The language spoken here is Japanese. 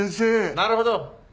なるほど。